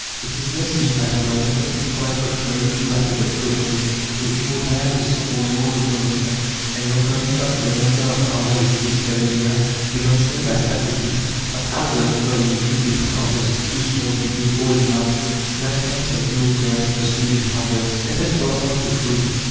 It is thus seen that our method is quite contrary to that of the economists, who immortalize the so called laws of production, and, reckoning up the number of houses built every year, demonstrate by statistics, that as the number of the new built houses is too small to meet all demands, nine tenths of Europeans must live in hovels. Let us pass on to food.